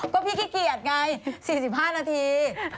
ก็พี่ขี้เกียจไง๔๕นาที